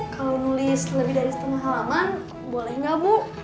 kalau nulis lebih dari setengah halaman boleh nggak bu